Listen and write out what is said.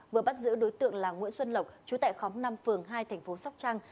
vừa bắt giữ đối tượng là nguyễn xuân lộc chú tại khóm năm phường hai thành phố sóc trăng